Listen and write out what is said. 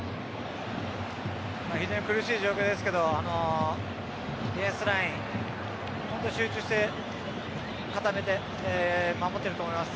依然、苦しい状況ですけどディフェンスライン集中して固めて守っていると思います。